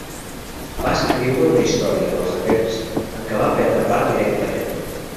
Va escriure una història dels afers en què va prendre part directament.